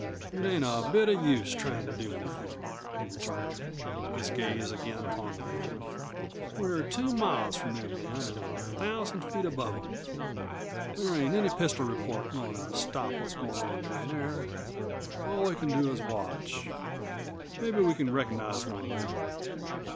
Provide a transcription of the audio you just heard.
"It ain't a bit of use tryin' to do anything," he returned, his gaze again on the men. "We're two miles from them men an' a thousand feet above them. There ain't any pistol report goin' to stop what's goin' on down there. All we can do is to watch. Mebbe we can recognize one of them.